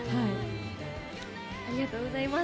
ありがとうございます。